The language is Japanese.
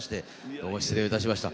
どうも失礼いたしました。